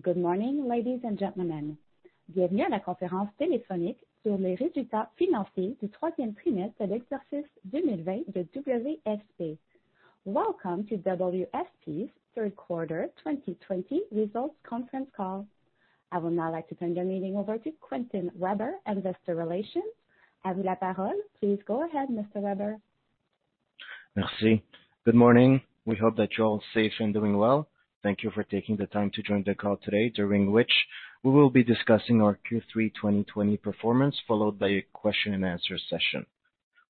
Good morning, ladies and gentlemen. Bienvenue à la conférence téléphonique sur les résultats financiers du troisième trimestre de l'exercice 2020 de WSP. Welcome to WSP's Third Quarter 2020 Results Conference Call. I would now like to turn the meeting over to Quentin Weber, Investor Relations. À vous la parole. Please go ahead, Mr. Weber. Merci. Good morning. We hope that you're all safe and doing well. Thank you for taking the time to join the call today, during which we will be discussing our Q3 2020 performance, followed by a question-and-answer session.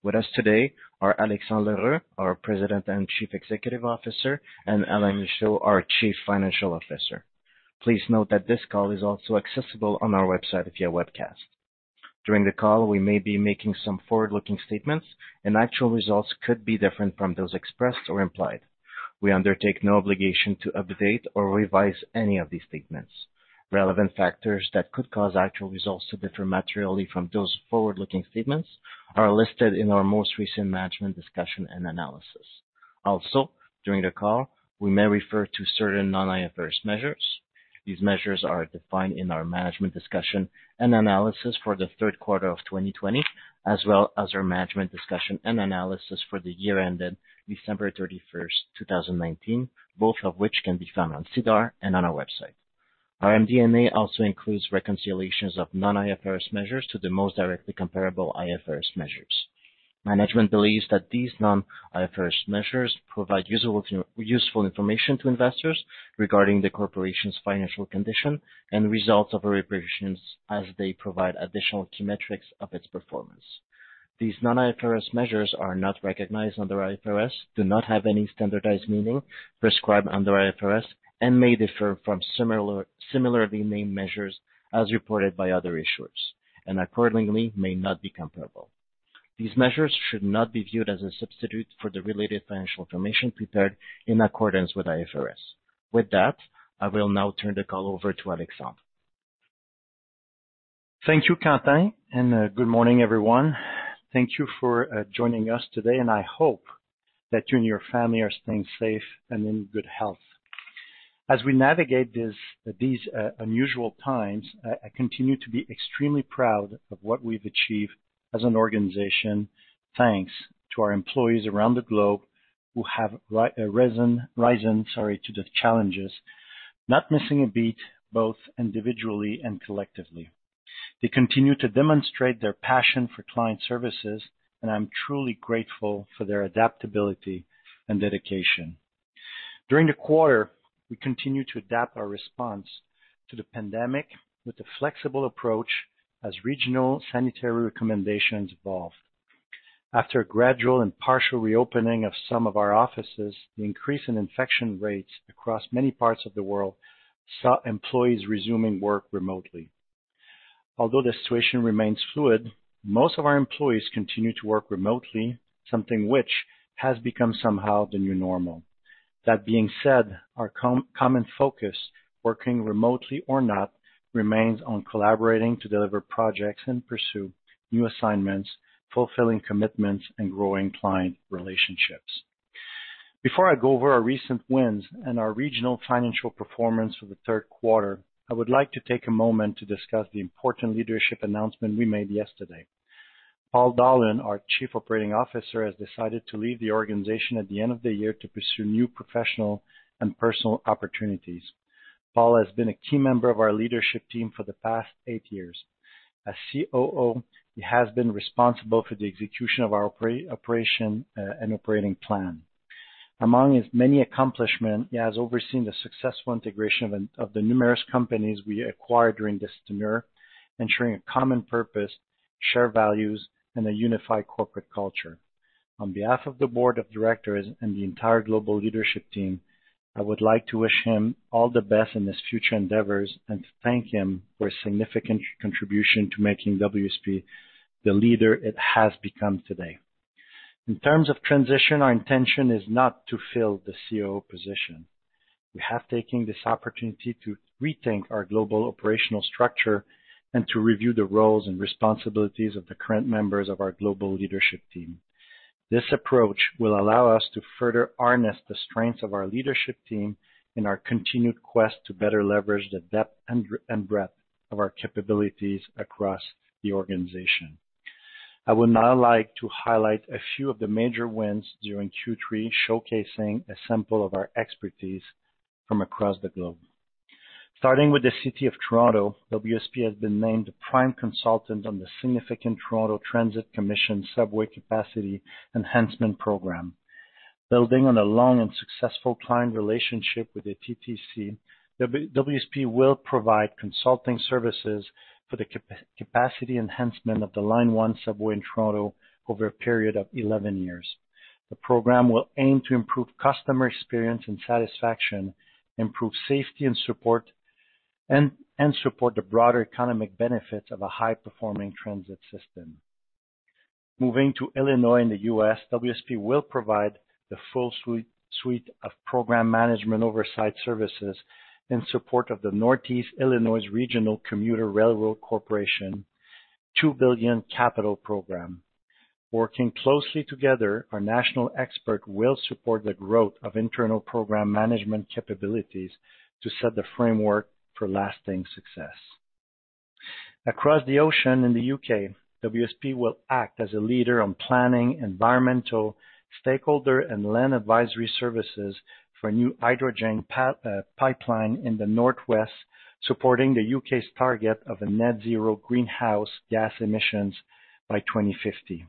With us today are Alexandre L’Heureux, our President and Chief Executive Officer, and Alain Michaud, our Chief Financial Officer. Please note that this call is also accessible on our website via webcast. During the call, we may be making some forward-looking statements, and actual results could be different from those expressed or implied. We undertake no obligation to update or revise any of these statements. Relevant factors that could cause actual results to differ materially from those forward-looking statements are listed in our most recent Management's Discussion and Analysis. Also, during the call, we may refer to certain non-IFRS measures. These measures are defined in our Management's Discussion and Analysis for the third quarter of 2020, as well as our Management's Discussion and Analysis for the year ended December 31st, 2019, both of which can be found on SEDAR and on our website. Our MD&A also includes reconciliations of non-IFRS measures to the most directly comparable IFRS measures. Management believes that these non-IFRS measures provide useful information to investors regarding the corporation's financial condition and results of operations as they provide additional key metrics of its performance. These non-IFRS measures are not recognized under IFRS, do not have any standardized meaning prescribed under IFRS, and may differ from similarly named measures as reported by other issuers, and accordingly may not be comparable. These measures should not be viewed as a substitute for the related financial information prepared in accordance with IFRS. With that, I will now turn the call over to Alexandre. Thank you, Quentin, and good morning, everyone. Thank you for joining us today, and I hope that you and your family are staying safe and in good health. As we navigate these unusual times, I continue to be extremely proud of what we've achieved as an organization, thanks to our employees around the globe who have risen, sorry, to the challenges, not missing a beat both individually and collectively. They continue to demonstrate their passion for client services, and I'm truly grateful for their adaptability and dedication. During the quarter, we continue to adapt our response to the pandemic with a flexible approach as regional sanitary recommendations evolved. After a gradual and partial reopening of some of our offices, the increase in infection rates across many parts of the world saw employees resuming work remotely. Although the situation remains fluid, most of our employees continue to work remotely, something which has become somehow the new normal. That being said, our common focus, working remotely or not, remains on collaborating to deliver projects and pursue new assignments, fulfilling commitments, and growing client relationships. Before I go over our recent wins and our regional financial performance for the third quarter, I would like to take a moment to discuss the important leadership announcement we made yesterday. Paul Dolan, our Chief Operating Officer, has decided to leave the organization at the end of the year to pursue new professional and personal opportunities. Paul has been a key member of our leadership team for the past eight years. As COO, he has been responsible for the execution of our operation and operating plan. Among his many accomplishments, he has overseen the successful integration of the numerous companies we acquired during this tenure, ensuring a common purpose, shared values, and a unified corporate culture. On behalf of the board of directors and the entire global leadership team, I would like to wish him all the best in his future endeavors and thank him for his significant contribution to making WSP the leader it has become today. In terms of transition, our intention is not to fill the COO position. We have taken this opportunity to rethink our global operational structure and to review the roles and responsibilities of the current members of our global leadership team. This approach will allow us to further harness the strengths of our leadership team in our continued quest to better leverage the depth and breadth of our capabilities across the organization. I would now like to highlight a few of the major wins during Q3, showcasing a sample of our expertise from across the globe. Starting with the city of Toronto, WSP has been named the prime consultant on the significant Toronto Transit Commission subway capacity enhancement program. Building on a long and successful client relationship with the TTC, WSP will provide consulting services for the capacity enhancement of the Line 1 subway in Toronto over a period of 11 years. The program will aim to improve customer experience and satisfaction, improve safety and support, and support the broader economic benefits of a high-performing transit system. Moving to Illinois and the U.S., WSP will provide the full suite of program management oversight services in support of the Northeast Illinois Regional Commuter Railroad Corporation $2 billion Capital Program. Working closely together, our national expert will support the growth of internal program management capabilities to set the framework for lasting success. Across the ocean in the UK, WSP will act as a leader on planning, environmental, stakeholder, and land advisory services for a new hydrogen pipeline in the Northwest, supporting the UK's target of a net-zero greenhouse gas emissions by 2050.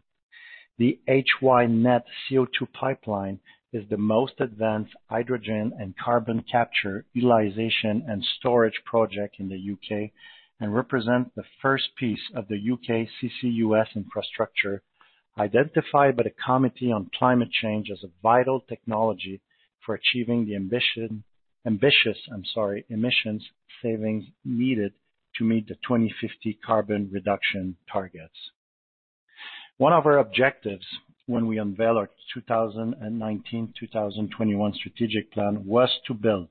The HyNet CO2 pipeline is the most advanced hydrogen and carbon capture, utilization, and storage project in the U.K. and represents the first piece of the U.K. CCUS infrastructure identified by the Committee on Climate Change as a vital technology for achieving the ambitious emissions savings needed to meet the 2050 carbon reduction targets. One of our objectives when we unveil our 2019-2021 strategic plan was to build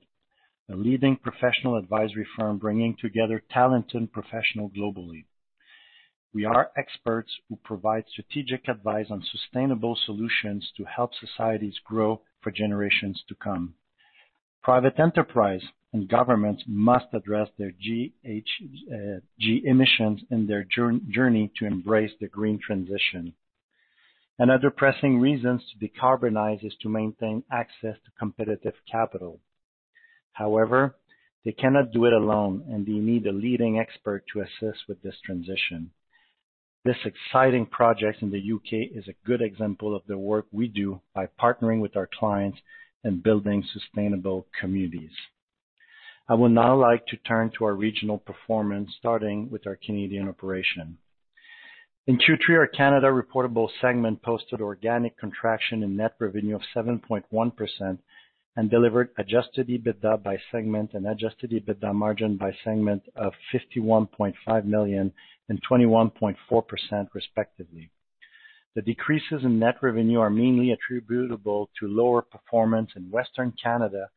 a leading professional advisory firm bringing together talented professionals globally. We are experts who provide strategic advice on sustainable solutions to help societies grow for generations to come. Private enterprise and governments must address their GHG emissions in their journey to embrace the green transition. Another pressing reason to decarbonize is to maintain access to competitive capital. However, they cannot do it alone, and they need a leading expert to assist with this transition. This exciting project in the U.K. is a good example of the work we do by partnering with our clients and building sustainable communities. I would now like to turn to our regional performance, starting with our Canadian operation. In Q3, our Canada reportable segment posted organic contraction in net revenue of 7.1% and delivered adjusted EBITDA by segment and adjusted EBITDA margin by segment of 51.5 million and 21.4%, respectively. The decreases in net revenue are mainly attributable to lower performance in Western Canada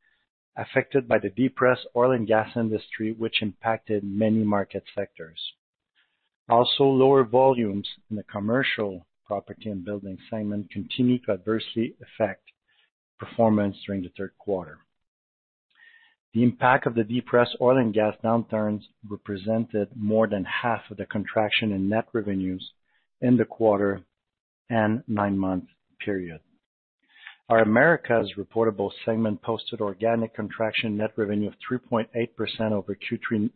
affected by the depressed oil and gas industry, which impacted many market sectors. Also, lower volumes in the commercial property and building segment continue to adversely affect performance during the third quarter. The impact of the depressed oil and gas downturns represented more than half of the contraction in net revenues in the quarter and nine-month period. Our Americas reportable segment posted organic contraction net revenue of 3.8% over Q3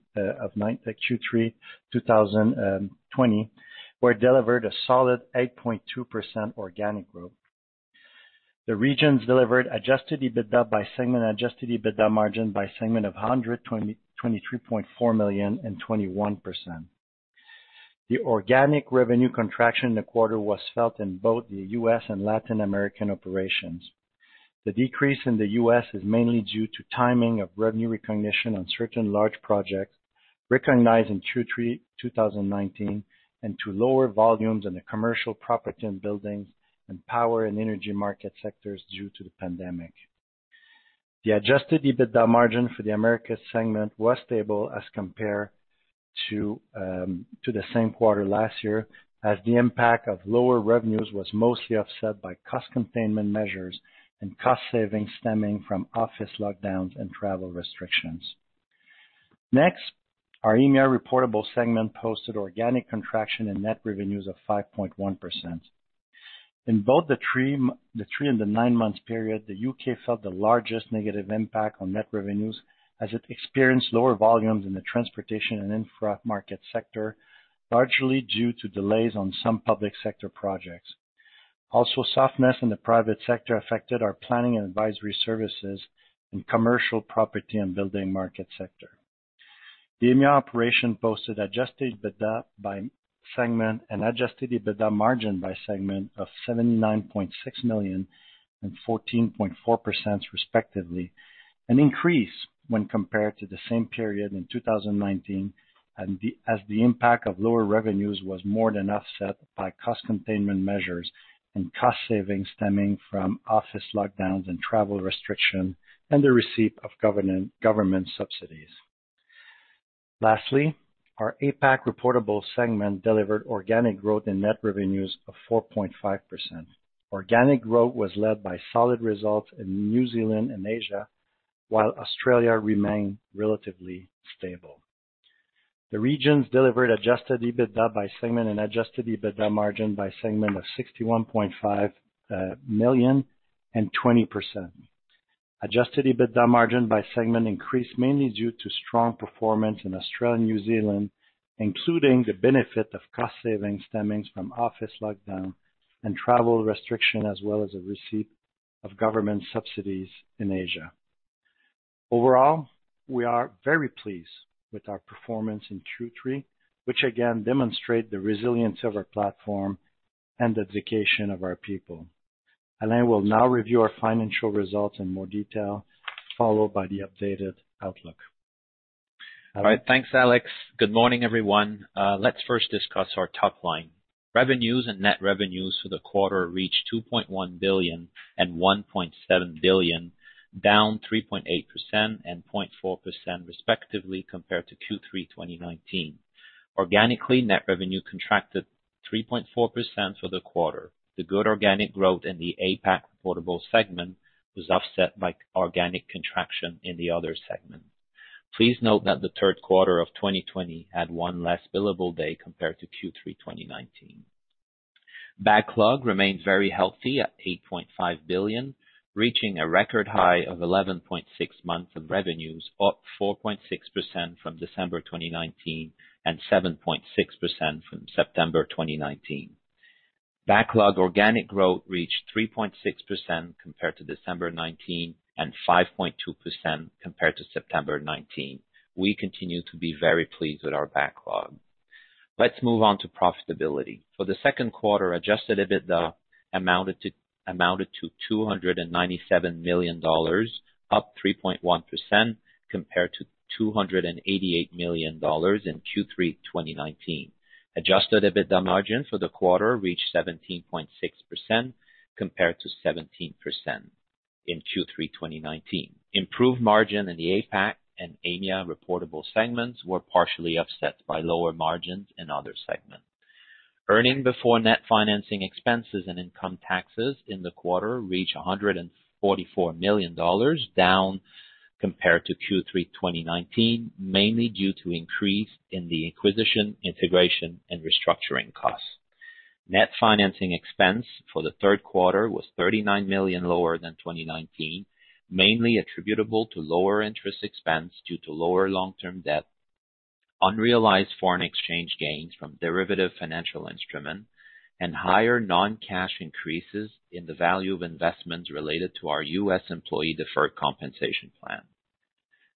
2020, where it delivered a solid 8.2% organic growth. The regions delivered Adjusted EBITDA by segment, Adjusted EBITDA margin by segment of 123.4 million and 21%. The organic revenue contraction in the quarter was felt in both the U.S. and Latin American operations. The decrease in the U.S. is mainly due to timing of revenue recognition on certain large projects recognized in Q3 2019 and to lower volumes in the commercial property and buildings and power and energy market sectors due to the pandemic. The Adjusted EBITDA margin for the Americas segment was stable as compared to the same quarter last year, as the impact of lower revenues was mostly offset by cost containment measures and cost savings stemming from office lockdowns and travel restrictions. Next, our EMEA reportable segment posted organic contraction in net revenues of 5.1%. In both the three and the nine-month period, the U.K. felt the largest negative impact on net revenues as it experienced lower volumes in the transportation and infra market sector, largely due to delays on some public sector projects. Also, softness in the private sector affected our planning and advisory services and commercial property and building market sector. The EMEA operation posted Adjusted EBITDA by segment and Adjusted EBITDA margin by segment of 79.6 million and 14.4%, respectively, an increase when compared to the same period in 2019, as the impact of lower revenues was more than offset by cost containment measures and cost savings stemming from office lockdowns and travel restrictions and the receipt of government subsidies. Lastly, our APAC reportable segment delivered organic growth in net revenues of 4.5%. Organic growth was led by solid results in New Zealand and Asia, while Australia remained relatively stable. The regions delivered Adjusted EBITDA by segment and Adjusted EBITDA margin by segment of 61.5 million and 20%. Adjusted EBITDA margin by segment increased mainly due to strong performance in Australia and New Zealand, including the benefit of cost savings stemming from office lockdown and travel restrictions, as well as the receipt of government subsidies in Asia. Overall, we are very pleased with our performance in Q3, which again demonstrates the resilience of our platform and the dedication of our people. Alain will now review our financial results in more detail, followed by the updated outlook. All right. Thanks, Alex. Good morning, everyone. Let's first discuss our top line. Revenues and net revenues for the quarter reached 2.1 billion and 1.7 billion, down 3.8% and 0.4%, respectively, compared to Q3 2019. Organically, net revenue contracted 3.4% for the quarter. The good organic growth in the APAC reportable segment was offset by organic contraction in the other segment. Please note that the third quarter of 2020 had one less billable day compared to Q3 2019. Backlog remains very healthy at 8.5 billion, reaching a record high of 11.6 months of revenues, up 4.6% from December 2019 and 7.6% from September 2019. Backlog organic growth reached 3.6% compared to December 2019 and 5.2% compared to September 2019. We continue to be very pleased with our backlog. Let's move on to profitability. For the second quarter, Adjusted EBITDA amounted to $297 million, up 3.1% compared to $288 million in Q3 2019. Adjusted EBITDA margin for the quarter reached 17.6% compared to 17% in Q3 2019. Improved margin in the APAC and EMEA reportable segments were partially offset by lower margins in other segments. Earnings before net financing expenses and income taxes in the quarter reached $144 million, down compared to Q3 2019, mainly due to increase in the acquisition, integration, and restructuring costs. Net financing expense for the third quarter was $39 million lower than 2019, mainly attributable to lower interest expense due to lower long-term debt, unrealized foreign exchange gains from derivative financial instruments, and higher non-cash increases in the value of investments related to our US employee deferred compensation plan.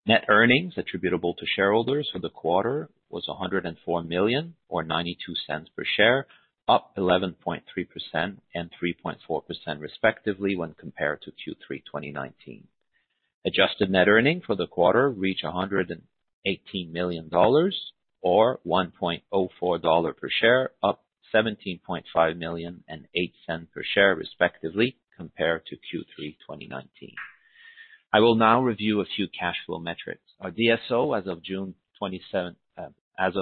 Net earnings attributable to shareholders for the quarter was 104 million, or 0.92 per share, up 11.3% and 3.4%, respectively, when compared to Q3 2019. Adjusted net earnings for the quarter reached CAD 118 million, or CAD 1.04 per share, up CAD 17.5 million and 0.08 per share, respectively, compared to Q3 2019. I will now review a few cash flow metrics. Our DSO, as of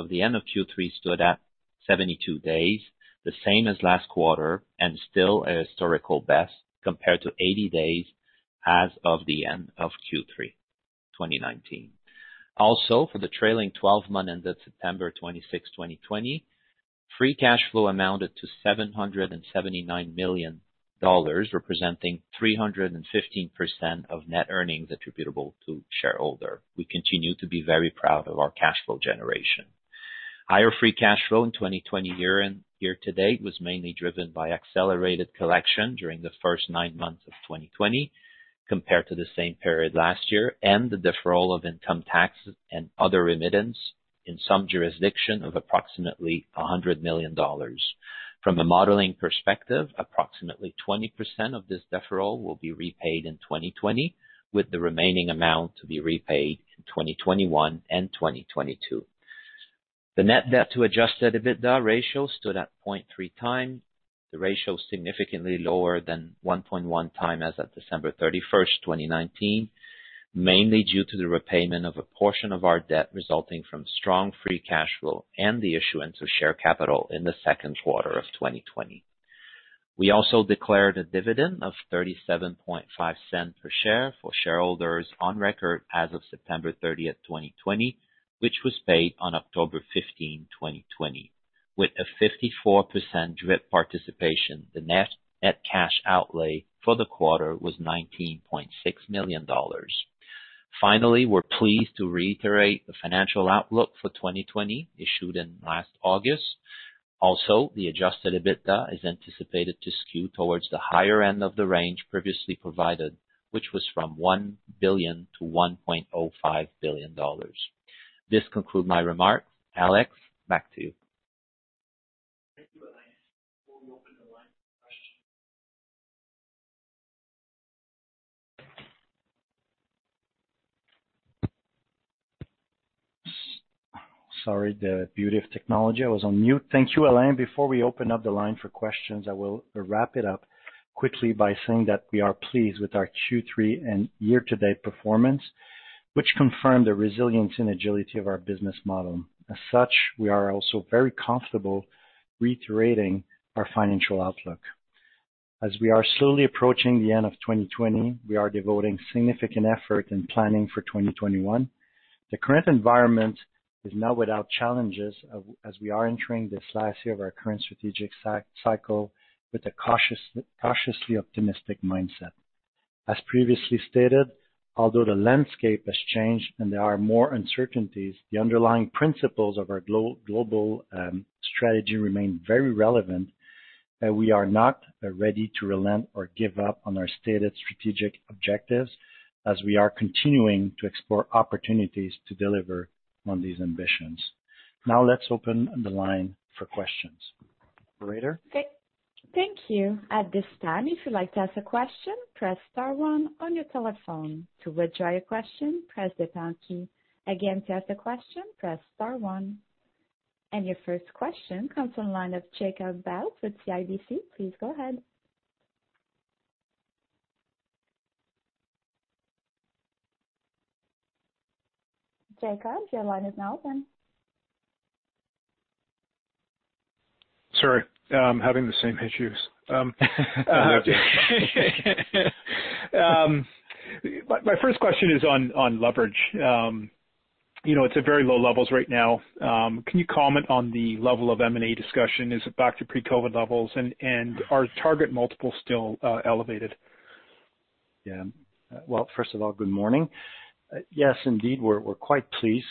the end of Q3, stood at 72 days, the same as last quarter, and still a historical best compared to 80 days as of the end of Q3 2019. Also, for the trailing 12 months ended September 26, 2020, free cash flow amounted to 779 million dollars, representing 315% of net earnings attributable to shareholders. We continue to be very proud of our cash flow generation. Higher Free Cash Flow in 2020 year-to-date was mainly driven by accelerated collection during the first nine months of 2020 compared to the same period last year and the deferral of income tax and other remittances in some jurisdictions of approximately 100 million dollars. From a modeling perspective, approximately 20% of this deferral will be repaid in 2020, with the remaining amount to be repaid in 2021 and 2022. The net debt to Adjusted EBITDA ratio stood at 0.3 times. The ratio is significantly lower than 1.1 times as of December 31, 2019, mainly due to the repayment of a portion of our debt resulting from strong Free Cash Flow and the issuance of share capital in the second quarter of 2020. We also declared a dividend of 0.375 per share for shareholders on record as of September 30, 2020, which was paid on October 15, 2020. With a 54% DRIP participation, the net cash outlay for the quarter was $19.6 million. Finally, we're pleased to reiterate the financial outlook for 2020 issued in last August. Also, the Adjusted EBITDA is anticipated to skew towards the higher end of the range previously provided, which was from $1 billion to $1.05 billion. This concludes my remarks. Alex, back to you. Thank you, Alain. Before we open the line for questions. Sorry, the beauty of technology. I was on mute. Thank you, Alain. Before we open up the line for questions, I will wrap it up quickly by saying that we are pleased with our Q3 and year-to-date performance, which confirmed the resilience and agility of our business model. As such, we are also very comfortable reiterating our financial outlook. As we are slowly approaching the end of 2020, we are devoting significant effort and planning for 2021. The current environment is not without challenges as we are entering this last year of our current strategic cycle with a cautiously optimistic mindset. As previously stated, although the landscape has changed and there are more uncertainties, the underlying principles of our global strategy remain very relevant. We are not ready to relent or give up on our stated strategic objectives as we are continuing to explore opportunities to deliver on these ambitions. Now, let's open the line for questions. Thank you. At this time, if you'd like to ask a question, press star one on your telephone. To withdraw your question, press the pound key. Again, to ask a question, press star one. And your first question comes from the line of Jacob Bout for CIBC. Please go ahead. Jacob, your line is now open. Sorry, I'm having the same issues. My first question is on leverage. It's at very low levels right now. Can you comment on the level of M&A discussion? Is it back to pre-COVID levels? And are target multiples still elevated? Yeah. First of all, good morning. Yes, indeed, we're quite pleased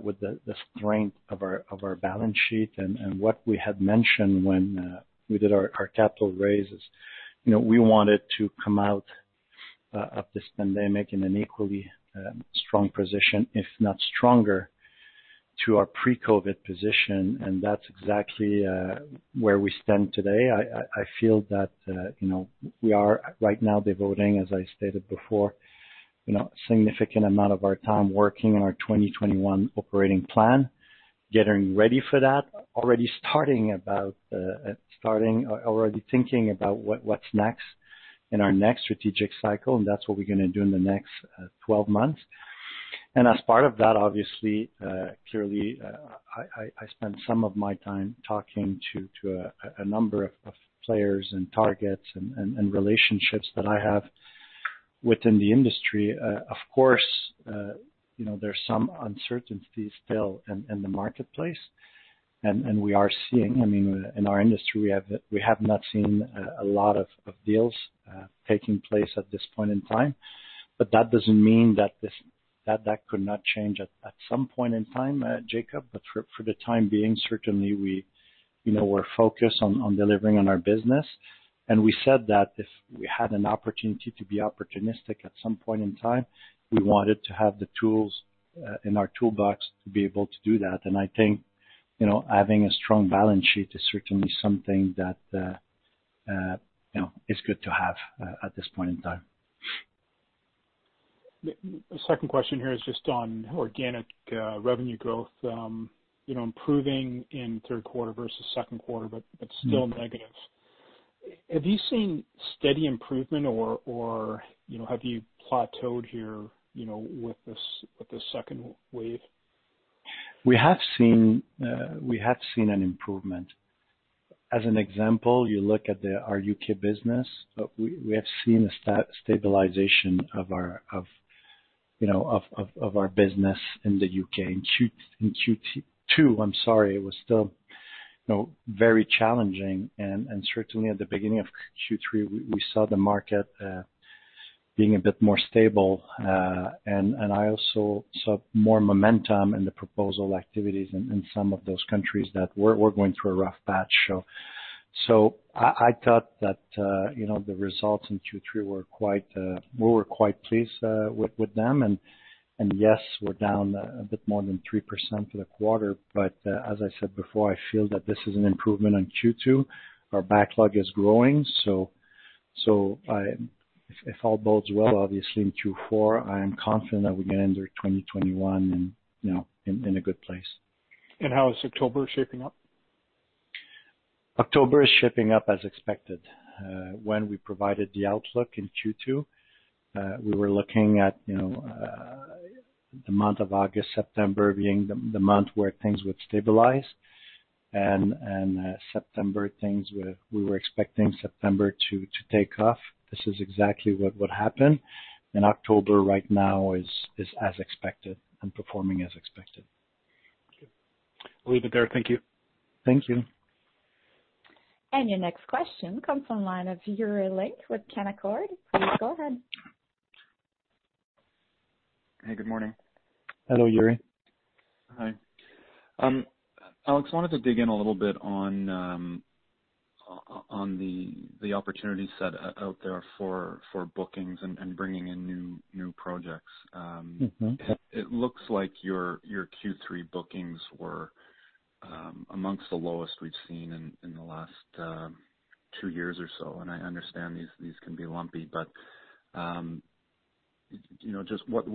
with the strength of our balance sheet and what we had mentioned when we did our capital raises. We wanted to come out of this pandemic in an equally strong position, if not stronger, to our pre-COVID position. That's exactly where we stand today. I feel that we are right now devoting, as I stated before, a significant amount of our time working in our 2021 operating plan, getting ready for that, already thinking about what's next in our next strategic cycle. That's what we're going to do in the next 12 months. As part of that, obviously, clearly, I spent some of my time talking to a number of players and targets and relationships that I have within the industry. Of course, there's some uncertainty still in the marketplace. And we are seeing, I mean, in our industry, we have not seen a lot of deals taking place at this point in time. But that doesn't mean that that could not change at some point in time, Jacob. But for the time being, certainly, we're focused on delivering on our business. And we said that if we had an opportunity to be opportunistic at some point in time, we wanted to have the tools in our toolbox to be able to do that. And I think having a strong balance sheet is certainly something that is good to have at this point in time. Second question here is just on organic revenue growth, improving in third quarter versus second quarter, but still negative. Have you seen steady improvement, or have you plateaued here with the second wave? We have seen an improvement. As an example, you look at the our UK business. We have seen a stabilization of our business in the U.K. In Q2, I'm sorry, it was still very challenging. And certainly, at the beginning of Q3, we saw the market being a bit more stable. And I also saw more momentum in the proposal activities in some of those countries that were going through a rough patch. So I thought that the results in Q3, we were quite pleased with them. And yes, we're down a bit more than 3% for the quarter. But as I said before, I feel that this is an improvement on Q2. Our backlog is growing. So if all bodes well, obviously, in Q4, I am confident that we can enter 2021 in a good place. How is October shaping up? October is shaping up as expected. When we provided the outlook in Q2, we were looking at the month of August, September being the month where things would stabilize. And September, we were expecting September to take off. This is exactly what happened. And October right now is as expected and performing as expected. Okay. Leave it there. Thank you. Thank you. Your next question comes from the line of Yuri Lynk with Canaccord. Please go ahead. Hey, good morning. Hello, Yuri. Hi. Alex, I wanted to dig in a little bit on the opportunities set out there for bookings and bringing in new projects. It looks like your Q3 bookings were among the lowest we've seen in the last two years or so. And I understand these can be lumpy, but just what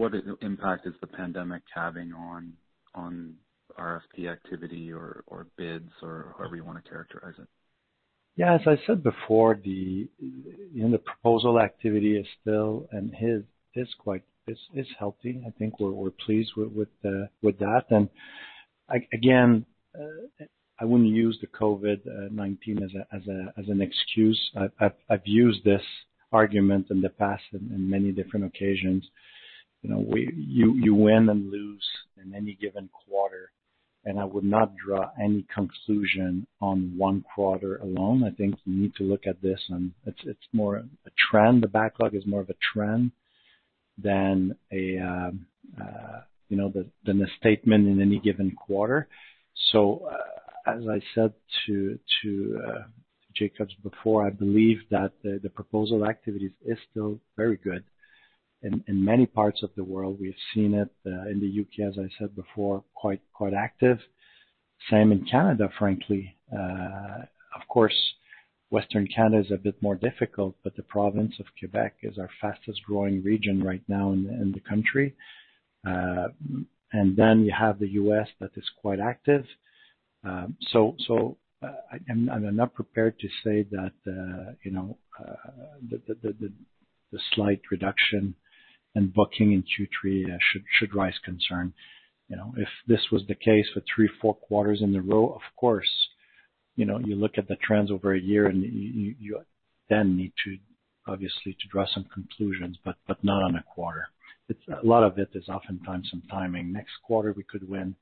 impact is the pandemic having on RFP activity or bids or however you want to characterize it? Yeah. As I said before, the proposal activity is still and it's healthy. I think we're pleased with that, and again, I wouldn't use the COVID-19 as an excuse. I've used this argument in the past in many different occasions. You win and lose in any given quarter, and I would not draw any conclusion on one quarter alone. I think you need to look at this, and it's more a trend. The backlog is more of a trend than a statement in any given quarter, so as I said to Jacobs before, I believe that the proposal activity is still very good. In many parts of the world, we have seen it in the UK, as I said before, quite active. Same in Canada, frankly. Of course, Western Canada is a bit more difficult, but the province of Quebec is our fastest-growing region right now in the country. And then you have the U.S. that is quite active. So I'm not prepared to say that the slight reduction in booking in Q3 should raise concern. If this was the case for three, four quarters in a row, of course, you look at the trends over a year, and you then need to, obviously, draw some conclusions, but not on a quarter. A lot of it is oftentimes some timing. Next quarter, we could win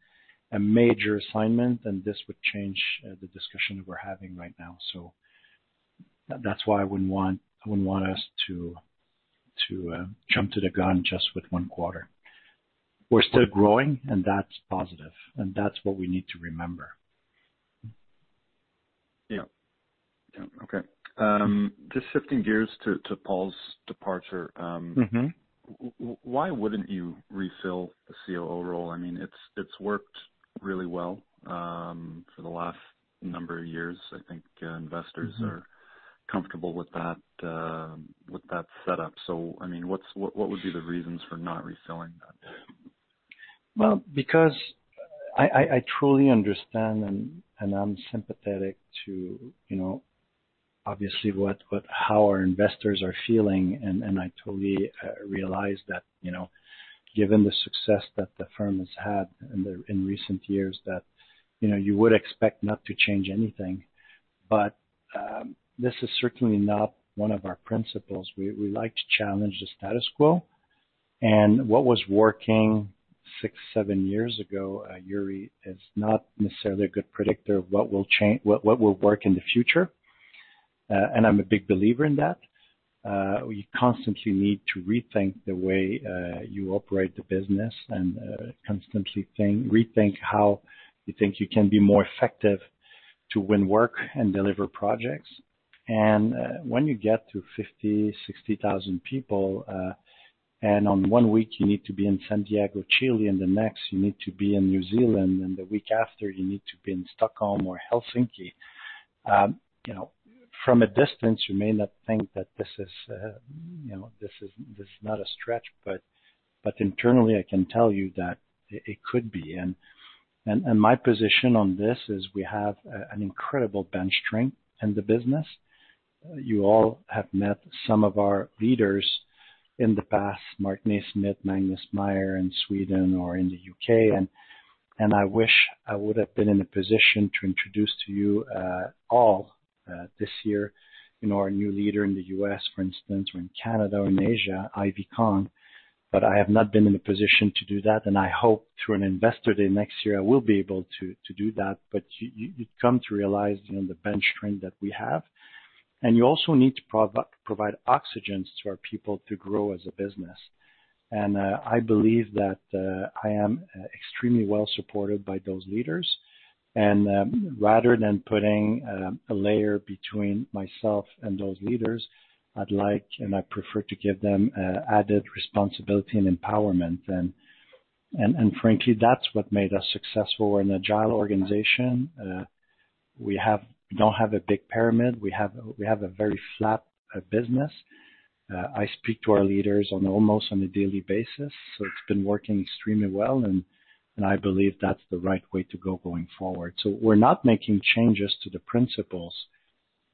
a major assignment, and this would change the discussion that we're having right now. So that's why I wouldn't want us to jump to the gun just with one quarter. We're still growing, and that's positive. And that's what we need to remember. Yeah. Okay. Just shifting gears to Paul's departure. Why wouldn't you refill the COO role? I mean, it's worked really well for the last number of years. I think investors are comfortable with that setup. So I mean, what would be the reasons for not refilling that? Because I truly understand, and I'm sympathetic to, obviously, how our investors are feeling. I totally realize that given the success that the firm has had in recent years, that you would expect not to change anything. This is certainly not one of our principles. We like to challenge the status quo. What was working six, seven years ago, Yuri, is not necessarily a good predictor of what will work in the future. I'm a big believer in that. You constantly need to rethink the way you operate the business and constantly rethink how you think you can be more effective to win work and deliver projects. And when you get to 50,000, 60,000 people, and one week you need to be in Santiago, Chile, and the next you need to be in New Zealand, and the week after you need to be in Stockholm or Helsinki, from a distance you may not think that this is not a stretch. But internally, I can tell you that it could be. And my position on this is we have an incredible bench strength in the business. You all have met some of our leaders in the past, Mark Naysmith, Magnus Meyer in Sweden or in the U.K. And I wish I would have been in a position to introduce to you all this year our new leader in the U.S., for instance, or in Canada or in Asia, Ivy Kong. But I have not been in a position to do that. And I hope through an investor day next year, I will be able to do that. But you'd come to realize the bench strength that we have. And you also need to provide oxygen to our people to grow as a business. And I believe that I am extremely well supported by those leaders. And rather than putting a layer between myself and those leaders, I'd like and I prefer to give them added responsibility and empowerment. And frankly, that's what made us successful. We're an agile organization. We don't have a big pyramid. We have a very flat business. I speak to our leaders almost on a daily basis. So it's been working extremely well. And I believe that's the right way to go going forward. So we're not making changes to the principles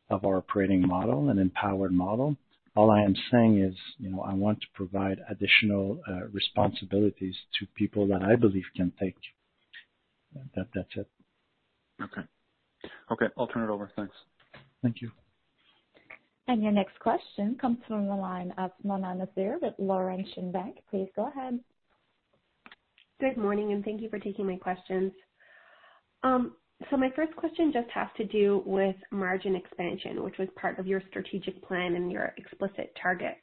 of our operating model and empowered model. All I am saying is I want to provide additional responsibilities to people that I believe can take. That's it. Okay. Okay. I'll turn it over. Thanks. Thank you. Your next question comes from the line of Mona Nazir with Laurentian Bank Securities. Please go ahead. Good morning, and thank you for taking my questions. My first question just has to do with margin expansion, which was part of your strategic plan and your explicit targets.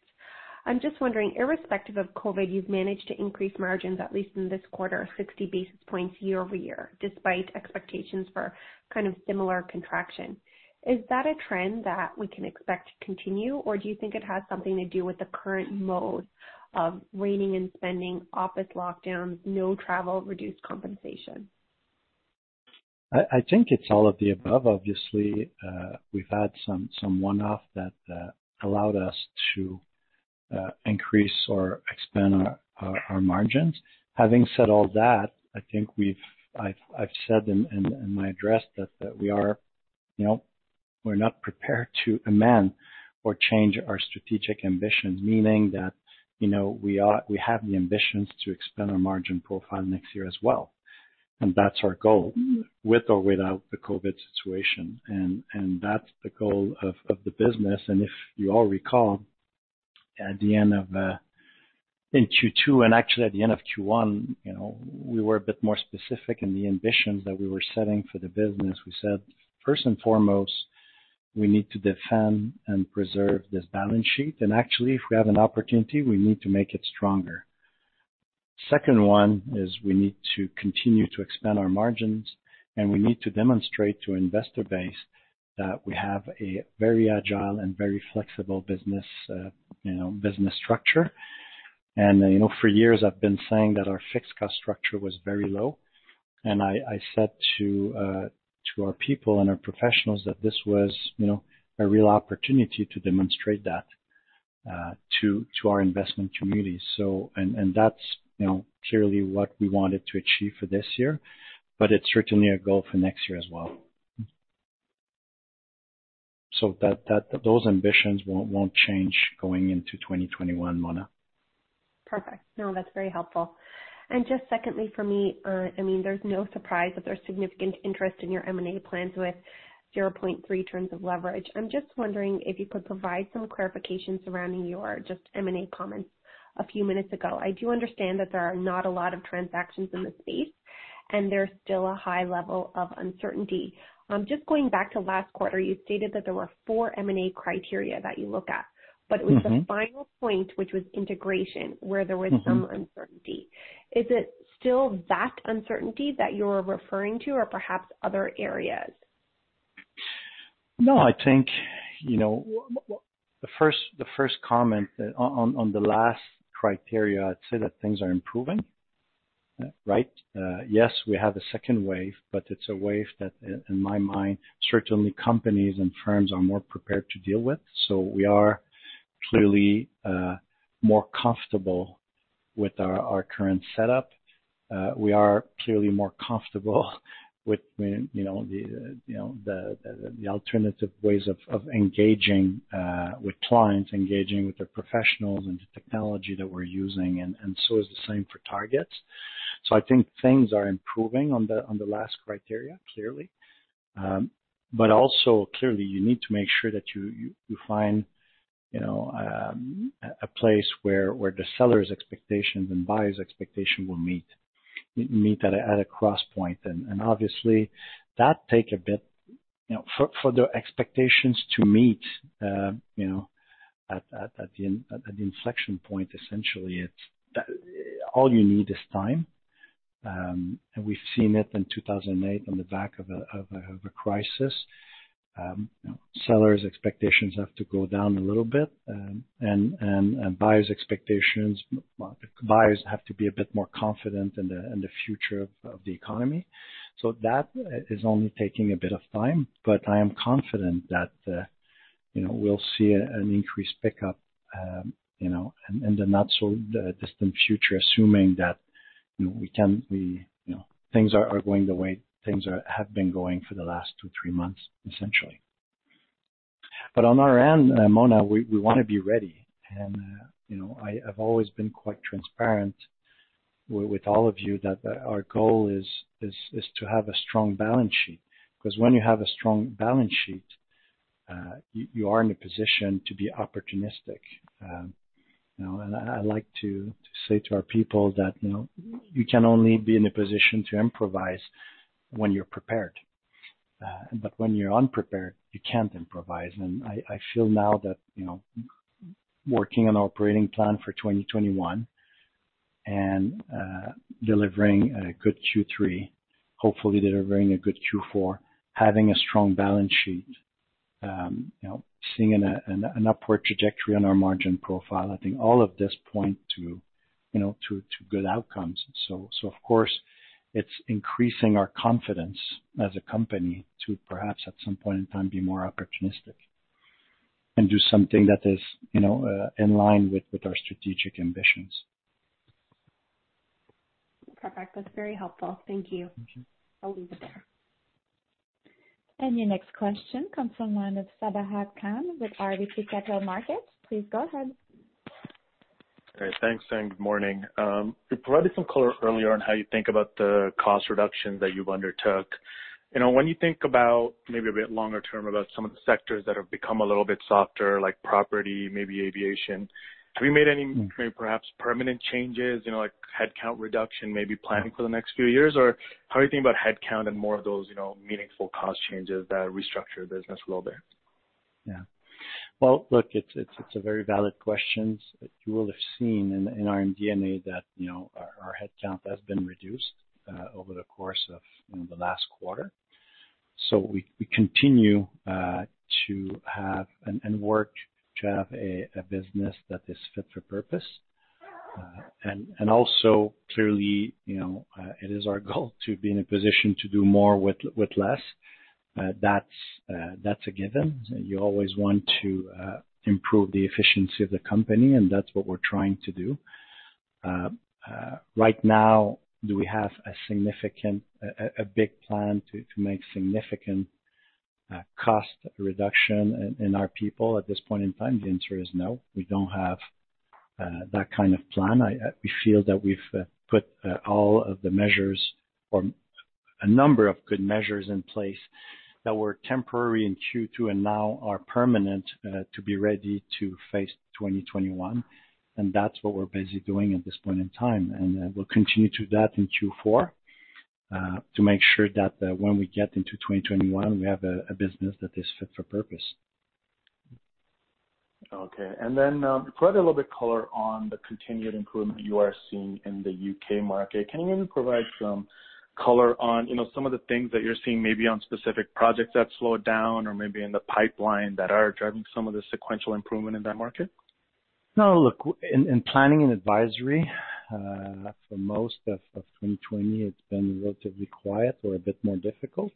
I'm just wondering, irrespective of COVID, you've managed to increase margins, at least in this quarter, 60 basis points year over year, despite expectations for kind of similar contraction. Is that a trend that we can expect to continue, or do you think it has something to do with the current mode of reining in spending, office lockdowns, no travel, reduced compensation? I think it's all of the above, obviously. We've had some one-off that allowed us to increase or expand our margins. Having said all that, I think I've said in my address that we're not prepared to amend or change our strategic ambitions, meaning that we have the ambitions to expand our margin profile next year as well, and that's our goal with or without the COVID situation, and that's the goal of the business, and if you all recall, at the end of Q2, and actually at the end of Q1, we were a bit more specific in the ambitions that we were setting for the business. We said, first and foremost, we need to defend and preserve this balance sheet, and actually, if we have an opportunity, we need to make it stronger. Second one is we need to continue to expand our margins, and we need to demonstrate to our investor base that we have a very agile and very flexible business structure. And for years, I've been saying that our fixed cost structure was very low. And I said to our people and our professionals that this was a real opportunity to demonstrate that to our investment community. And that's clearly what we wanted to achieve for this year. But it's certainly a goal for next year as well. So those ambitions won't change going into 2021, Mona. Perfect. No, that's very helpful. And just secondly for me, I mean, there's no surprise that there's significant interest in your M&A plans with 0.3 turns of leverage. I'm just wondering if you could provide some clarification surrounding your just M&A comments a few minutes ago. I do understand that there are not a lot of transactions in the space, and there's still a high level of uncertainty. Just going back to last quarter, you stated that there were four M&A criteria that you look at. But it was the final point, which was integration, where there was some uncertainty. Is it still that uncertainty that you're referring to, or perhaps other areas? No, I think the first comment on the last criteria, I'd say that things are improving, right? Yes, we have a second wave, but it's a wave that, in my mind, certainly companies and firms are more prepared to deal with, so we are clearly more comfortable with our current setup. We are clearly more comfortable with the alternative ways of engaging with clients, engaging with the professionals and the technology that we're using, and so is the same for targets, so I think things are improving on the last criteria, clearly, but also, clearly, you need to make sure that you find a place where the seller's expectations and buyer's expectations will meet at a crosspoint, and obviously, that takes a bit for the expectations to meet at the inflection point, essentially, all you need is time, and we've seen it in 2008 on the back of a crisis. Seller's expectations have to go down a little bit, and buyer's expectations have to be a bit more confident in the future of the economy, so that is only taking a bit of time, but I am confident that we'll see an increased pickup in the not-so-distant future, assuming that things are going the way things have been going for the last two, three months, essentially. But on our end, Mona, we want to be ready, and I've always been quite transparent with all of you that our goal is to have a strong balance sheet, because when you have a strong balance sheet, you are in a position to be opportunistic, and I like to say to our people that you can only be in a position to improvise when you're prepared, but when you're unprepared, you can't improvise. I feel now that working on our operating plan for 2021 and delivering a good Q3, hopefully delivering a good Q4, having a strong balance sheet, seeing an upward trajectory on our margin profile, I think all of this points to good outcomes. Of course, it's increasing our confidence as a company to perhaps, at some point in time, be more opportunistic and do something that is in line with our strategic ambitions. Perfect. That's very helpful. Thank you. I'll leave it there. Your next question comes from Mona Nazir with Laurentian Bank Securities. Please go ahead. Okay. Thanks. And good morning. You provided some color earlier on how you think about the cost reductions that you've undertook. When you think about maybe a bit longer term about some of the sectors that have become a little bit softer, like property, maybe aviation, have you made any perhaps permanent changes, like headcount reduction, maybe planning for the next few years? Or how do you think about headcount and more of those meaningful cost changes that restructure the business a little bit? Yeah. Well, look, it's a very valid question. You will have seen in our DNA that our headcount has been reduced over the course of the last quarter. So we continue to have and work to have a business that is fit for purpose. And also, clearly, it is our goal to be in a position to do more with less. That's a given. You always want to improve the efficiency of the company, and that's what we're trying to do. Right now, do we have a significant big plan to make significant cost reduction in our people at this point in time? The answer is no. We don't have that kind of plan. We feel that we've put all of the measures or a number of good measures in place that were temporary in Q2 and now are permanent to be ready to face 2021. That's what we're busy doing at this point in time. We'll continue to do that in Q4 to make sure that when we get into 2021, we have a business that is fit for purpose. Okay. And then you provided a little bit of color on the continued improvement you are seeing in the U.K. market. Can you maybe provide some color on some of the things that you're seeing maybe on specific projects that slowed down or maybe in the pipeline that are driving some of the sequential improvement in that market? No, look, in planning and advisory, for most of 2020, it's been relatively quiet or a bit more difficult,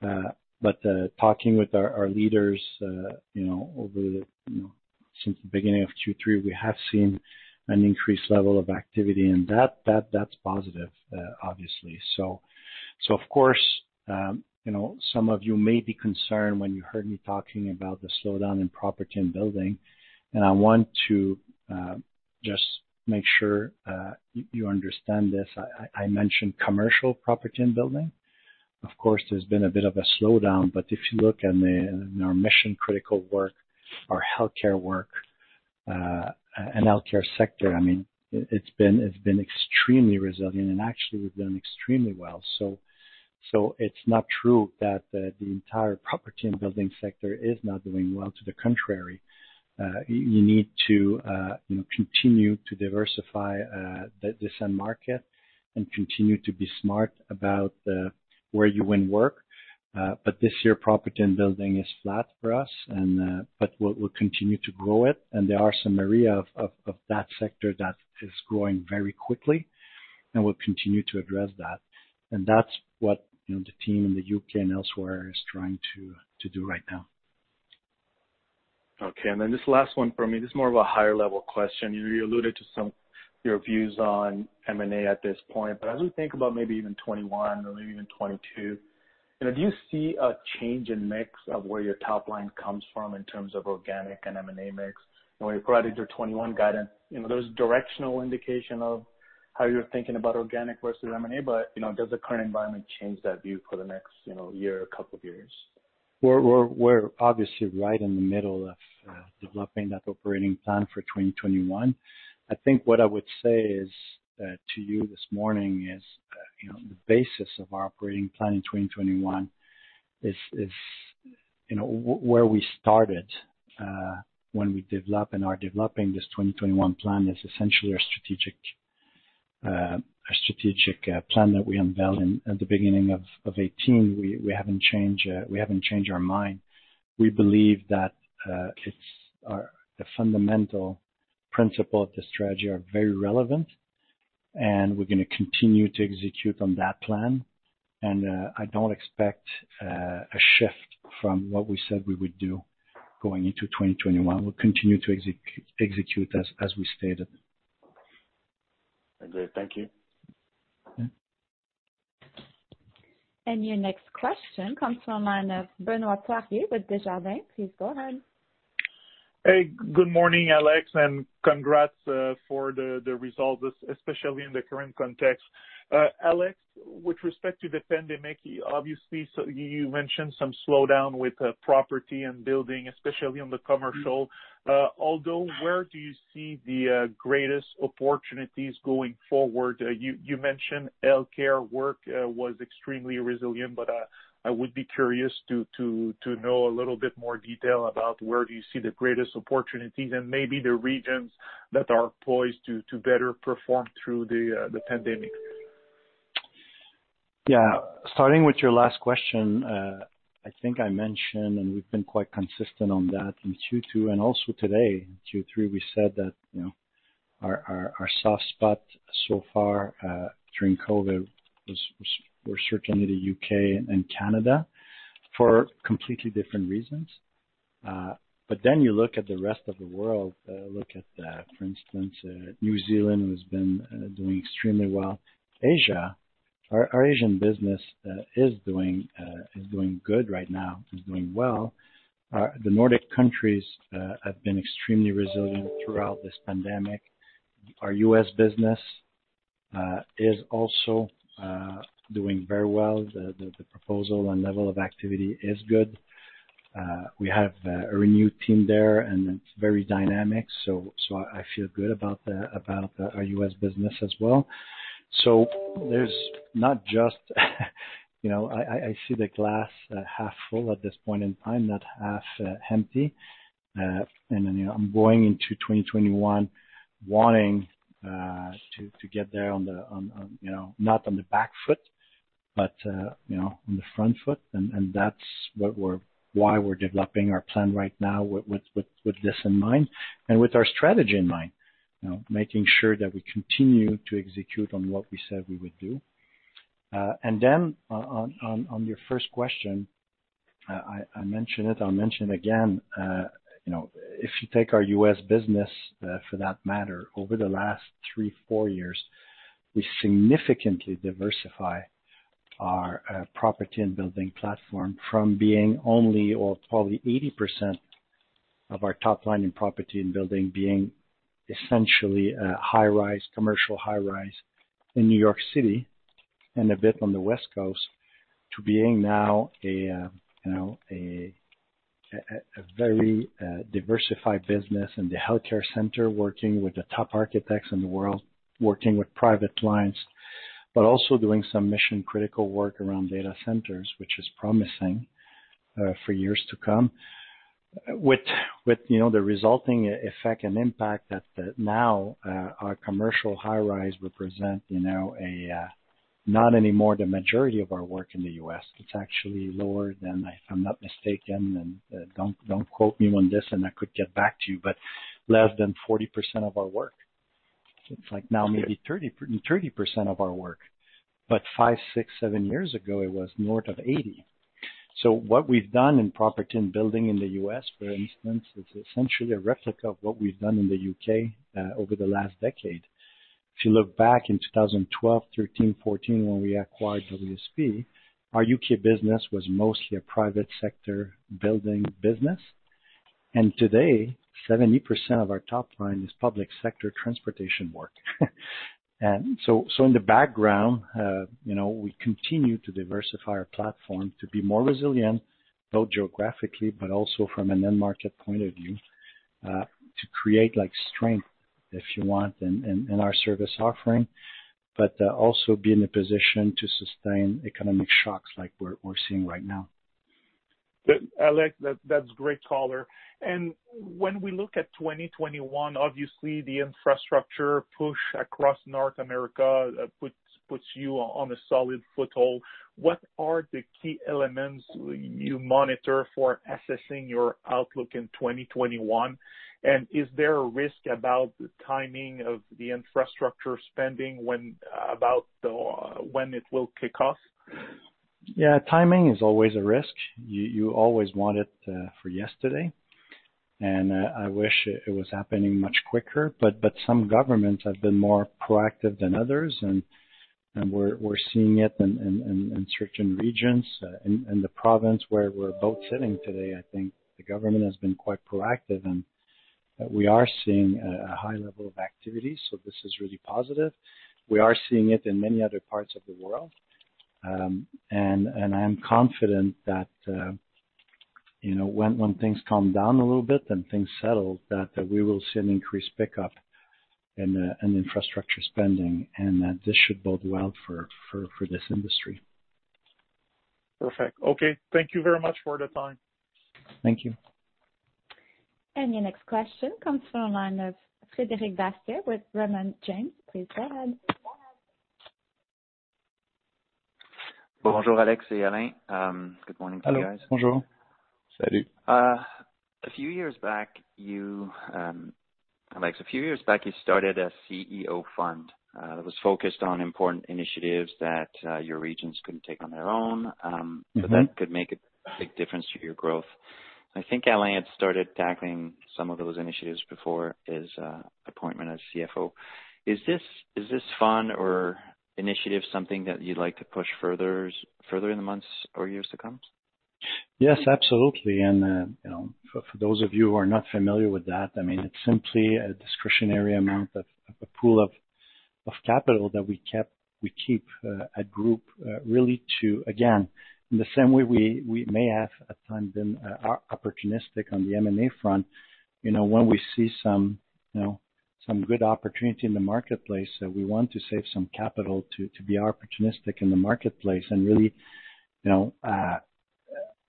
but talking with our leaders over since the beginning of Q3, we have seen an increased level of activity, and that's positive, obviously, so of course, some of you may be concerned when you heard me talking about the slowdown in property and building, and I want to just make sure you understand this. I mentioned commercial property and building. Of course, there's been a bit of a slowdown, but if you look at our mission-critical work, our healthcare work, and healthcare sector, I mean, it's been extremely resilient, and actually, we've done extremely well, so it's not true that the entire property and building sector is not doing well. To the contrary, you need to continue to diversify this market and continue to be smart about where you win work. But this year, property and building is flat for us. But we'll continue to grow it. And there are some areas of that sector that is growing very quickly. And we'll continue to address that. And that's what the team in the U.K. and elsewhere is trying to do right now. Okay. And then just last one for me. This is more of a higher-level question. You alluded to some of your views on M&A at this point. But as we think about maybe even 2021 or maybe even 2022, do you see a change in mix of where your top line comes from in terms of organic and M&A mix? And when you provided your 2021 guidance, there's directional indication of how you're thinking about organic versus M&A. But does the current environment change that view for the next year, a couple of years? We're obviously right in the middle of developing that operating plan for 2021. I think what I would say to you this morning is the basis of our operating plan in 2021 is where we started when we developed and are developing this 2021 plan is essentially our strategic plan that we unveiled at the beginning of 2018. We haven't changed our mind. We believe that the fundamental principle of the strategy are very relevant, and we're going to continue to execute on that plan, and I don't expect a shift from what we said we would do going into 2021. We'll continue to execute as we stated. Okay. Thank you. Your next question comes from Benoit Poirier with Desjardins. Please go ahead. Hey, good morning, Alex. And congrats for the results, especially in the current context. Alex, with respect to the pandemic, obviously, you mentioned some slowdown with property and building, especially on the commercial. Although, where do you see the greatest opportunities going forward? You mentioned healthcare work was extremely resilient. But I would be curious to know a little bit more detail about where do you see the greatest opportunities and maybe the regions that are poised to better perform through the pandemic? Yeah. Starting with your last question, I think I mentioned, and we've been quite consistent on that in Q2. And also today, in Q3, we said that our soft spot so far during COVID was certainly the UK and Canada for completely different reasons. But then you look at the rest of the world, look at, for instance, New Zealand, who has been doing extremely well. Asia, our Asian business is doing good right now, is doing well. The Nordic countries have been extremely resilient throughout this pandemic. Our U.S. business is also doing very well. The proposal and level of activity is good. We have a renewed team there, and it's very dynamic. So I feel good about our U.S. business as well. So there's not just. I see the glass half full at this point in time, not half empty. I'm going into 2021 wanting to get there not on the back foot, but on the front foot. That's why we're developing our plan right now with this in mind and with our strategy in mind, making sure that we continue to execute on what we said we would do. On your first question, I mentioned it. I'll mention it again. If you take our U.S. business, for that matter, over the last three, four years, we significantly diversify our property and building platform from being only, or probably 80% of our top line in property and building being essentially high-rise, commercial high-rise in New York City and a bit on the West Coast, to being now a very diversified business in the healthcare center, working with the top architects in the world, working with private clients, but also doing some mission-critical work around data centers, which is promising for years to come, with the resulting effect and impact that now our commercial high-rise represents not anymore the majority of our work in the U.S. It's actually lower than, if I'm not mistaken, and don't quote me on this, and I could get back to you, but less than 40% of our work. It's like now maybe 30% of our work. But five, six, seven years ago, it was north of 80. So what we've done in property and building in the U.S., for instance, is essentially a replica of what we've done in the U.K. over the last decade. If you look back in 2012, 13, 14, when we acquired WSP, our U.K. business was mostly a private sector building business. And today, 70% of our top line is public sector transportation work. And so in the background, we continue to diversify our platform to be more resilient, both geographically, but also from an end market point of view, to create strength, if you want, in our service offering, but also be in a position to sustain economic shocks like we're seeing right now. Alex, that's great color. And when we look at 2021, obviously, the infrastructure push across North America puts you on a solid foothold. What are the key elements you monitor for assessing your outlook in 2021? And is there a risk about the timing of the infrastructure spending about when it will kick off? Yeah. Timing is always a risk. You always want it for yesterday. And I wish it was happening much quicker. But some governments have been more proactive than others. And we're seeing it in certain regions. In the province where we're both sitting today, I think the government has been quite proactive. And we are seeing a high level of activity. So this is really positive. We are seeing it in many other parts of the world. And I am confident that when things calm down a little bit and things settle, that we will see an increased pickup in infrastructure spending. And this should bode well for this industry. Perfect. Okay. Thank you very much for the time. Thank you. Your next question comes from Frederic Bastien with Raymond James. Please go ahead. Bonjour, Alex and Alain. Good morning to you guys. Hello. Bonjour. Salut. A few years back, you, Alex, started a CEO fund that was focused on important initiatives that your regions couldn't take on their own, so that could make a big difference to your growth. I think Alain had started tackling some of those initiatives before his appointment as CFO. Is this fund or initiative something that you'd like to push further in the months or years to come? Yes, absolutely, and for those of you who are not familiar with that, I mean, it's simply a discretionary amount of a pool of capital that we keep at group, really, to again, in the same way we may have at times been opportunistic on the M&A front, when we see some good opportunity in the marketplace, we want to save some capital to be opportunistic in the marketplace and really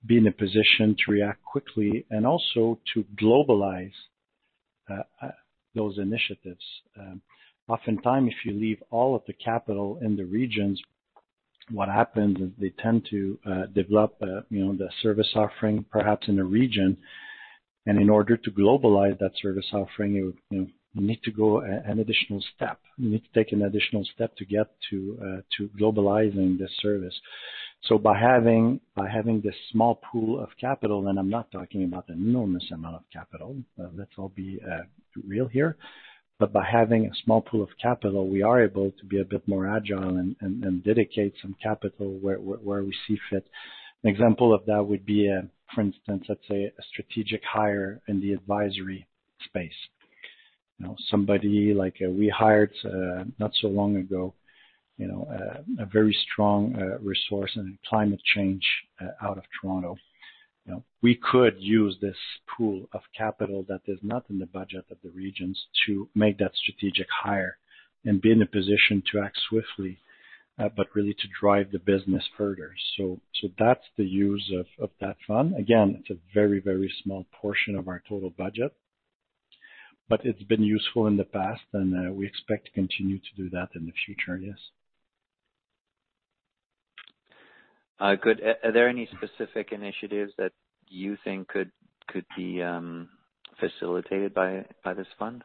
be in a position to react quickly and also to globalize those initiatives. Oftentimes, if you leave all of the capital in the regions, what happens is they tend to develop the service offering perhaps in a region, and in order to globalize that service offering, you need to go an additional step. You need to take an additional step to get to globalizing the service. So by having this small pool of capital, and I'm not talking about an enormous amount of capital. Let's all be real here. But by having a small pool of capital, we are able to be a bit more agile and dedicate some capital where we see fit. An example of that would be, for instance, let's say a strategic hire in the advisory space. Somebody like we hired not so long ago, a very strong resource in climate change out of Toronto. We could use this pool of capital that is not in the budget of the regions to make that strategic hire and be in a position to act swiftly, but really to drive the business further. So that's the use of that fund. Again, it's a very, very small portion of our total budget. But it's been useful in the past. We expect to continue to do that in the future, yes. Good. Are there any specific initiatives that you think could be facilitated by this fund?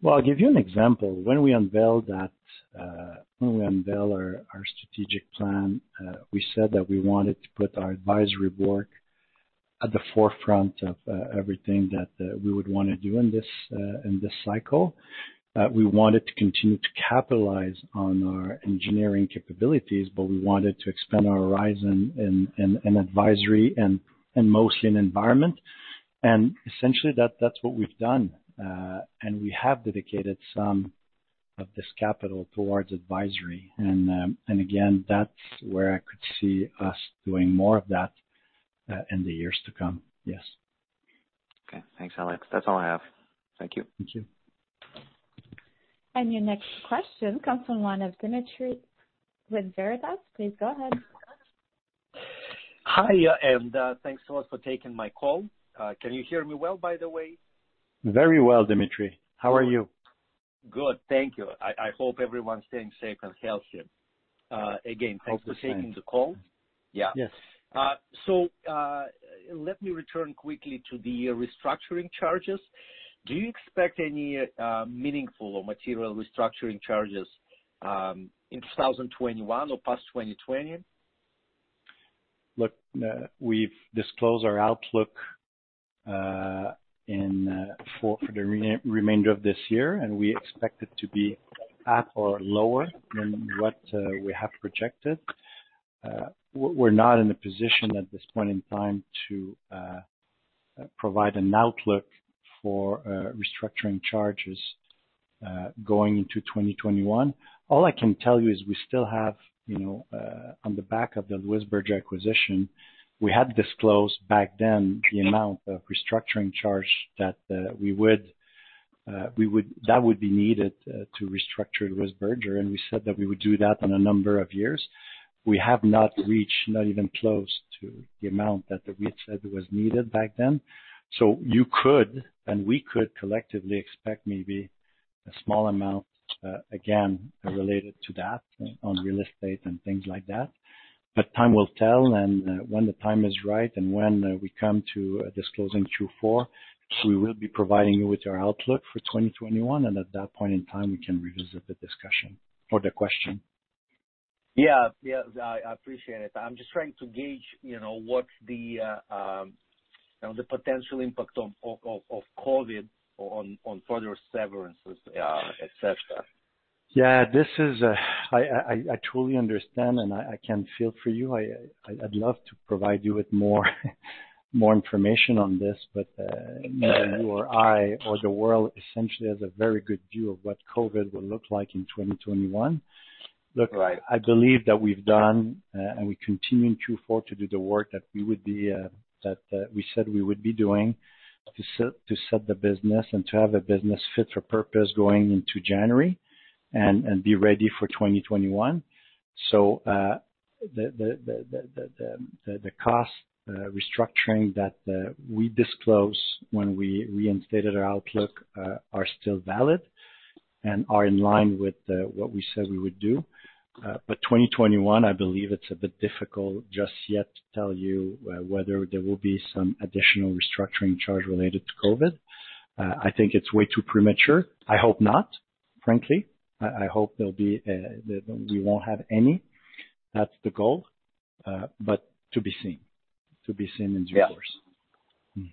Well, I'll give you an example. When we unveiled that, when we unveiled our strategic plan, we said that we wanted to put our advisory work at the forefront of everything that we would want to do in this cycle. We wanted to continue to capitalize on our engineering capabilities, but we wanted to expand our horizon in advisory and mostly in environment. And essentially, that's what we've done. And we have dedicated some of this capital towards advisory. And again, that's where I could see us doing more of that in the years to come, yes. Okay. Thanks, Alex. That's all I have. Thank you. Thank you. Your next question comes from Dimitry Khmelnitsky with Veritas. Please go ahead. Hi. And thanks so much for taking my call. Can you hear me well, by the way? Very well, Dimitry. How are you? Good. Thank you. I hope everyone's staying safe and healthy. Again, thanks for taking the call. Hope so. Yeah, so let me return quickly to the restructuring charges. Do you expect any meaningful or material restructuring charges in 2021 or past 2020? Look, we've disclosed our outlook for the remainder of this year, and we expect it to be at or lower than what we have projected. We're not in a position at this point in time to provide an outlook for restructuring charges going into 2021. All I can tell you is we still have, on the back of the Louis Berger acquisition, we had disclosed back then the amount of restructuring charge that we would be needed to restructure Louis Berger, and we said that we would do that in a number of years. We have not reached, not even close, to the amount that we had said was needed back then, so you could, and we could collectively expect maybe a small amount, again, related to that on real estate and things like that, but time will tell. And when the time is right and when we come to disclosing Q4, we will be providing you with our outlook for 2021. And at that point in time, we can revisit the discussion or the question. Yeah. Yeah. I appreciate it. I'm just trying to gauge what's the potential impact of COVID on further severance, etc. Yeah. I truly understand, and I can feel for you. I'd love to provide you with more information on this, but neither you or I or the world essentially has a very good view of what COVID will look like in 2021. Look, I believe that we've done, and we continue in Q4 to do the work that we said we would be doing to set the business and to have a business fit for purpose going into January and be ready for 2021, so the cost restructuring that we disclosed when we reinstated our outlook are still valid and are in line with what we said we would do. But 2021, I believe it's a bit difficult just yet to tell you whether there will be some additional restructuring charge related to COVID. I think it's way too premature. I hope not, frankly. I hope there'll be we won't have any. That's the goal, but to be seen in due course. Yeah.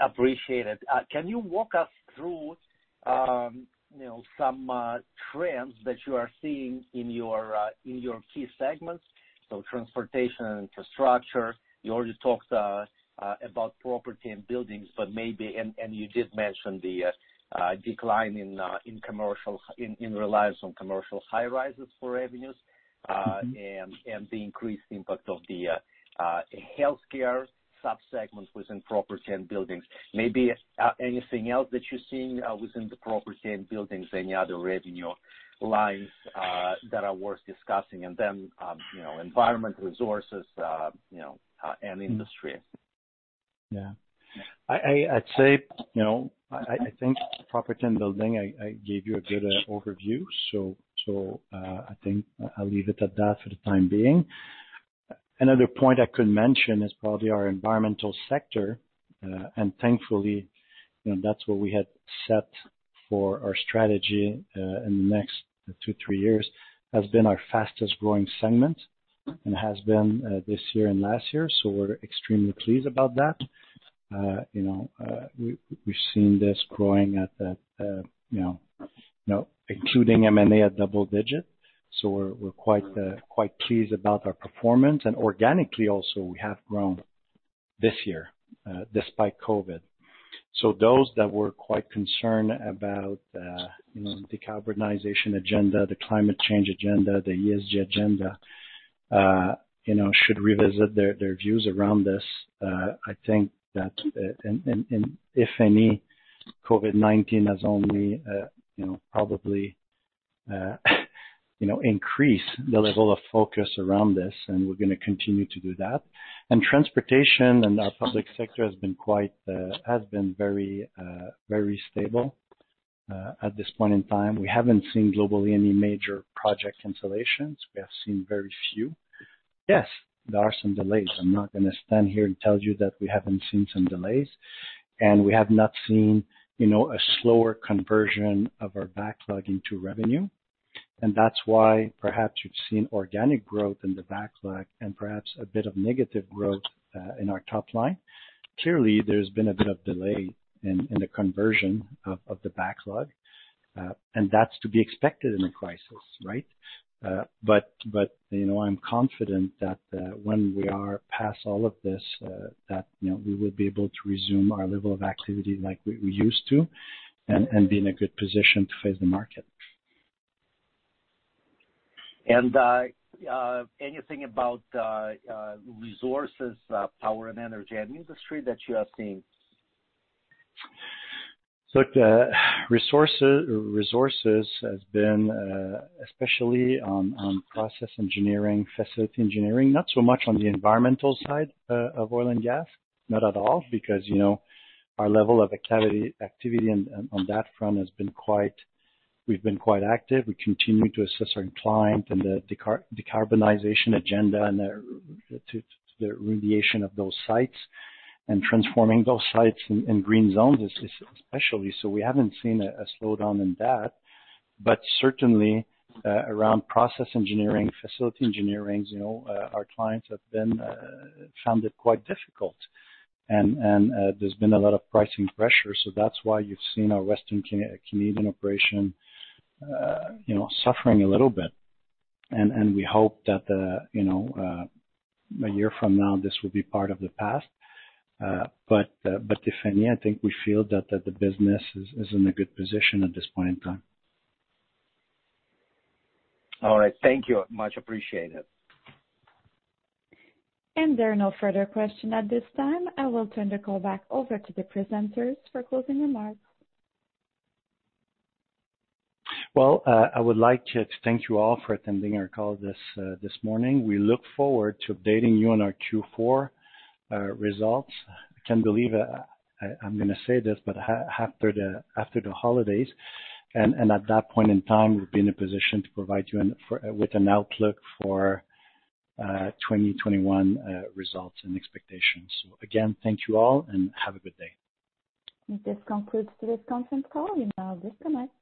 I appreciate it. Can you walk us through some trends that you are seeing in your key segments? So transportation and infrastructure. You already talked about property and buildings, but maybe and you did mention the decline in reliance on commercial high-rises for revenues and the increased impact of the healthcare subsegment within property and buildings. Maybe anything else that you're seeing within the property and buildings, any other revenue lines that are worth discussing? And then environment, resources, and industry. Yeah. I'd say I think property and building, I gave you a good overview so I think I'll leave it at that for the time being. Another point I could mention is probably our environmental sector, and thankfully, that's what we had set for our strategy in the next two, three years has been our fastest-growing segment and has been this year and last year so we're extremely pleased about that. We've seen this growing at including M&A at double-digit. So we're quite pleased about our performance, and organically, also, we have grown this year despite COVID so those that were quite concerned about the decarbonization agenda, the climate change agenda, the ESG agenda should revisit their views around this. I think that, if any, COVID-19 has only probably increased the level of focus around this, and we're going to continue to do that. Transportation and our public sector has been very, very stable at this point in time. We haven't seen globally any major project cancellations. We have seen very few. Yes, there are some delays. I'm not going to stand here and tell you that we haven't seen some delays, and we have not seen a slower conversion of our backlog into revenue, and that's why perhaps you've seen organic growth in the backlog and perhaps a bit of negative growth in our top line. Clearly, there's been a bit of delay in the conversion of the backlog, and that's to be expected in a crisis, right, but I'm confident that when we are past all of this, that we will be able to resume our level of activity like we used to and be in a good position to face the market. Anything about resources, power, and energy and industry that you are seeing? Look, resources has been especially on process engineering, facility engineering, not so much on the environmental side of oil and gas, not at all, because our level of activity on that front has been quite active. We continue to assess our client and the decarbonization agenda and the remediation of those sites and transforming those sites in green zones especially, so we haven't seen a slowdown in that, but certainly, around process engineering, facility engineering, our clients have found it quite difficult. And there's been a lot of pricing pressure, so that's why you've seen our Western Canadian operation suffering a little bit, and we hope that a year from now, this will be part of the past, but if anything, I think we feel that the business is in a good position at this point in time. All right. Thank you much. Appreciate it. There are no further questions at this time. I will turn the call back over to the presenters for closing remarks. I would like to thank you all for attending our call this morning. We look forward to updating you on our Q4 results. I can't believe I'm going to say this, but after the holidays, at that point in time, we'll be in a position to provide you with an outlook for 2021 results and expectations. Again, thank you all and have a good day. This concludes today's conference call. You may now disconnect.